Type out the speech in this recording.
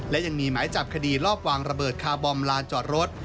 และยังมีหมายจับคดีลอบวางระเบิดคาร์บอมลานจอดรถ